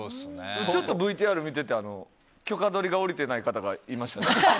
ちょっとＶＴＲ見てて許可取りが下りてない方がいらっしゃいましたね。